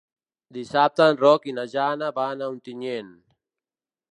Dissabte en Roc i na Jana van a Ontinyent.